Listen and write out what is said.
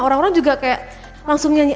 orang orang juga kayak langsung nyanyi